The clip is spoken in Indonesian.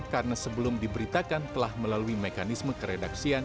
karena sebelum diberitakan telah melalui mekanisme keredaksian